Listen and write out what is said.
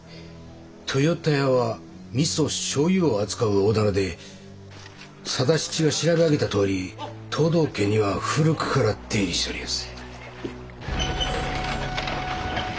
豊田屋は味噌醤油を扱う大店で定七が調べ上げたとおり藤堂家には古くから出入りしておりやす。